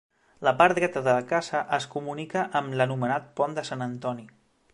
La part dreta de la casa es comunica amb l'anomenat Pont de Sant Antoni.